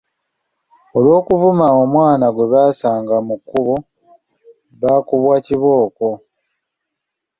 Olw’okuvuma omwana gwe basanga ku kkubo, baakubwa kibooko.